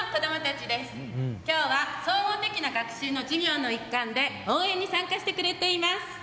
きょうは、総合的な学習の授業の一環で応援に参加してくれています。